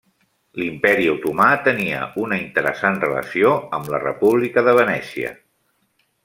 L'Imperi otomà tenia una interessant relació amb la República de Venècia.